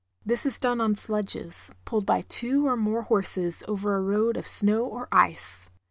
This is done on sledges, pulled by two or more horses over a road of snow or ice.